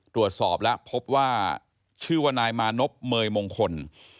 ตรวจสอบแล้วพบว่าชื่อว่านายมานพเมยมงคล